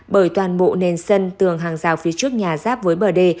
bởi toàn bộ nền sân tường hàng rào phía trước nhà ráp với bờ đề